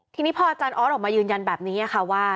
ทีนี้พออาจารย์ออสออกมายืนยันแบบนี้ค่ะว่า